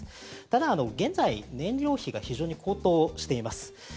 ただ現在、燃料費が非常に高騰しています。